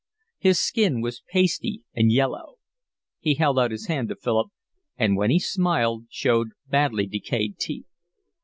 His skin was pasty and yellow. He held out his hand to Philip, and when he smiled showed badly decayed teeth.